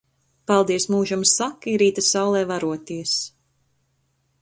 Paldies mūžam saki, rīta saulē veroties.